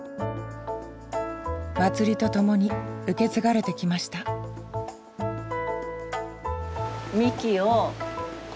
祭りとともに受け継がれてきましたみき。